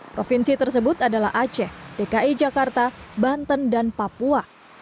provinsi tersebut adalah aceh dki jakarta banten dan papua